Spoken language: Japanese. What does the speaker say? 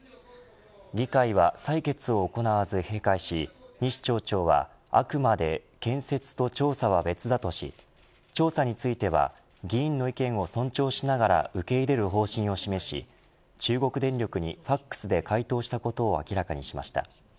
議会は採決を行わず閉会し西町長は、あくまで建設と調査は別だとし調査については議員の意見を尊重しながら受け入れる方針を示し中国電力にＦＡＸで回答したことを明らかにしました。